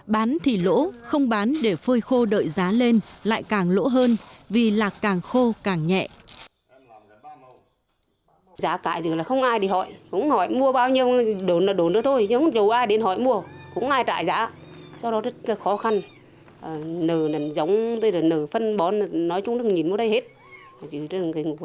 bán thì lỗ không bán để phôi khô đợi giá lên lại càng lỗ hơn vì lạc càng khô càng nhẹ